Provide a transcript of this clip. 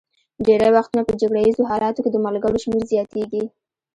ډېری وختونه په جګړه ایزو حالاتو کې د ملګرو شمېر زیاتېږي.